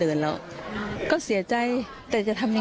เนื่องจากนี้ไปก็คงจะต้องเข้มแข็งเป็นเสาหลักให้กับทุกคนในครอบครัว